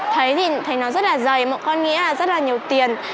thì thầy nói rất là dày bọn con nghĩ là rất là nhiều tiền